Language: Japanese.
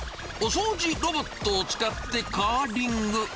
お掃除ロボットを使ってカーリング。